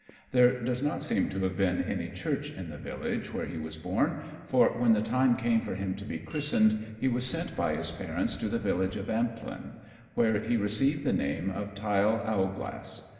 There does not seem to have been any Church in the village where he was born, for when the time came for him to be christened he was sent by his parents to the village of Amptlen, where he received the name of Tyll Owlglass.